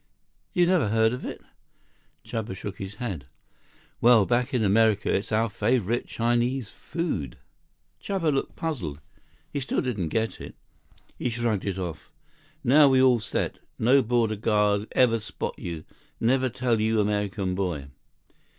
"You never heard of it?" Chuba shook his head. "Well, back in America it's our favorite Chinese food." 69 Chuba looked puzzled. He still didn't get it. He shrugged it off. "Now, we all set. No border guard ever spot you. Never tell you American boy."